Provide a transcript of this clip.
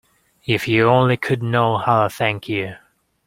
If you only could know how I thank you.